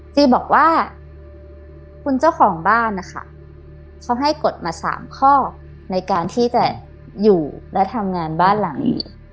จีบอกว่าคุณเจ้าของบ้านนะคะเขาให้กฎมา๓ข้อในการที่จะอยู่และทำงานบ้านหลังนี้